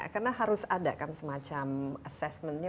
karena harus ada kan semacam assessmentnya